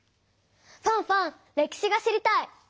ファンファン歴史が知りたい！